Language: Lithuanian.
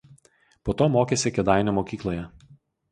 Po to mokėsi Kėdainių mokykloje.